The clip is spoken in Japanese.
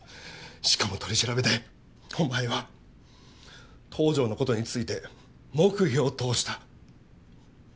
しかも取り調べでお前は東条の事について黙秘を通した。